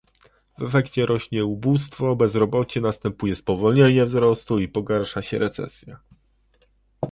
W efekcie rośnie ubóstwo, bezrobocie, następuje spowolnienie wzrostu i pogarsza się recesja